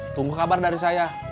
tunggu kabar dari saya